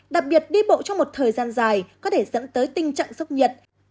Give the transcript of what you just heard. đặc biệt đi bộ trong một thời gian dài có thể dẫn tới tình trạng sốc nhiệt